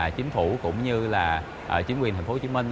chính phủ cũng như chính quyền tp hcm